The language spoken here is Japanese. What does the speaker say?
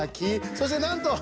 そしてなんと！